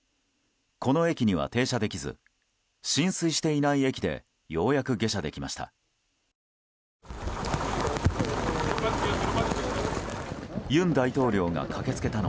この駅には停車できず浸水していない駅でようやく下車できました。